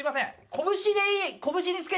拳でいい？